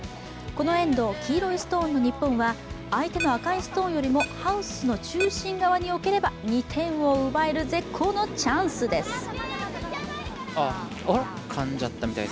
このエンド、黄色いストーンの日本は、相手の赤いストーンよりもハウスの中心側に置ければ２点を奪える絶好のチャンスです。